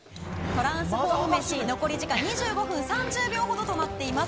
トランスフォーム飯残り時間２５分３０秒ほどとなっています。